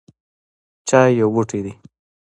چای یو بوټی دی